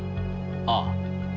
ああ。